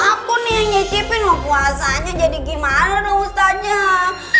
aku nih yang nyicipin loh puasanya jadi gimana ustazah